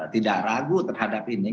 tidak ragu terhadap ini